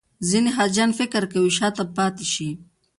ځینې حاجیان فکر کوي شاته پاتې شي.